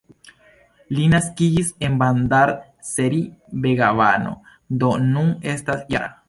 Li naskiĝis en Bandar-Seri-Begavano, do nun estas -jara.